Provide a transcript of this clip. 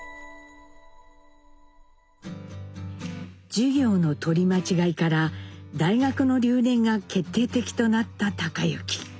授業の取り間違いから大学の留年が決定的となった隆之。